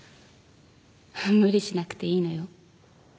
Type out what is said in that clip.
無理しなくていいのよ。